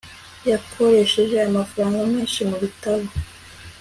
yakoresheje amafaranga menshi mubitabo